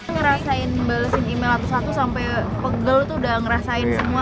ngerasain balesin email satu satu sampai pegel tuh udah ngerasain semua